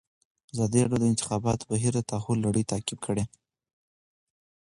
ازادي راډیو د د انتخاباتو بهیر د تحول لړۍ تعقیب کړې.